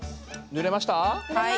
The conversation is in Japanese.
ぬれました。